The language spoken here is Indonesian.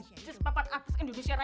pre test papat apes indonesia raya